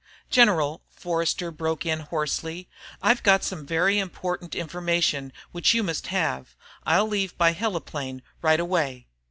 _ "General," Forster broke in hoarsely. "I've got some very important information which you must have. I'll leave by heliplane right away."